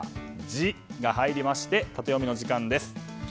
「ジ」が入りましてタテヨミのお時間です。